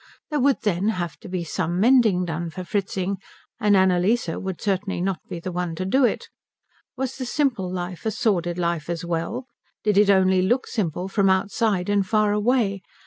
There would, then, have to be some mending done for Fritzing, and Annalise would certainly not be the one to do it. Was the simple life a sordid life as well? Did it only look simple from outside and far away?